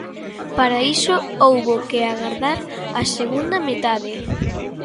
Para iso houbo que agardar á segunda metade.